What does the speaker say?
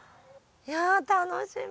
いや楽しみ。